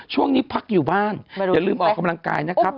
ช่วงนี้พักอยู่บ้านอย่าลืมออกกำลังกายนะครับ